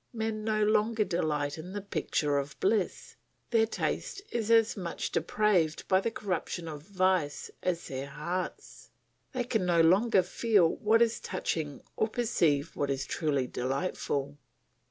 ... Men no longer delight in the picture of bliss; their taste is as much depraved by the corruption of vice as their hearts. They can no longer feel what is touching or perceive what is truly delightful.